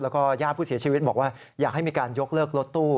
แล้วก็ญาติผู้เสียชีวิตบอกว่าอยากให้มีการยกเลิกรถตู้